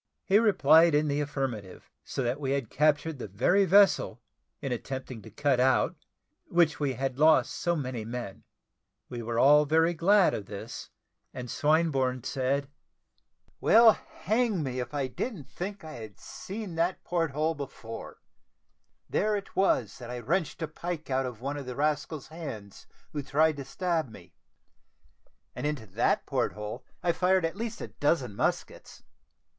He replied in the affirmative; so that we had captured the very vessel, in attempting to cut out which we had lost so many men. We were all very glad of this, and Swinburne said, "Well, hang me, if I didn't think that I had seen that port hole before; there it was that I wrenched a pike out of one of the rascal's hands, who tried to stab me, and into that port hole I fired at least a dozen muskets.